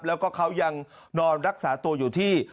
แล้วก็เขายังนอนรักษาตัวอยู่ที่